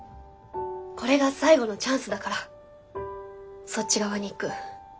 これが最後のチャンスだからそっち側にいく。